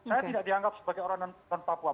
saya tidak dianggap sebagai orang non papua